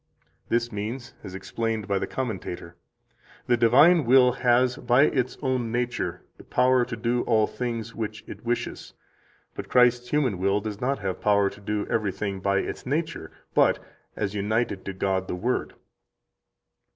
This means, as explained by a commentator: "The divine will has, by its own nature, the power to do all things which it wishes; but Christ's human will does not have power to do everything by its nature, but as united to God the Word."